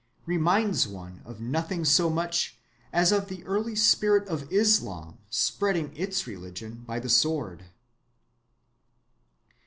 reminds one of nothing so much as of the early spirit of Islam spreading its religion by the sword.